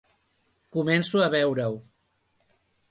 Començo a veure-ho.